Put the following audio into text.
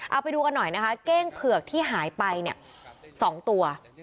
เอาไปดูกันหน่อยนะคะเก้งเผือกที่หายไปเนี่ย๒ตัว